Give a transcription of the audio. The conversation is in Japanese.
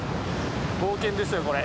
冒険ですよこれ。